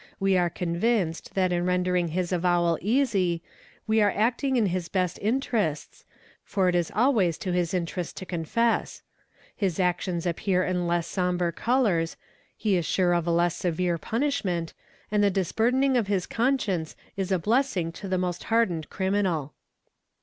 — We are convinced that in rendering his avowal easy, we are acting in his best interests, for it is always to his interest to confess; his actions appear in less sombre colours, he is sure of a less severe punishment, — and the disburdening of his conscience is a blessing to the most hardened — criminal.